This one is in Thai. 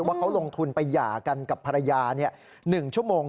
ว่าเขาลงทุนไปหย่ากันกับภรรยา๑ชั่วโมง